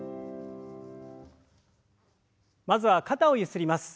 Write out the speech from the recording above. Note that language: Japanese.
まずは肩をゆすります。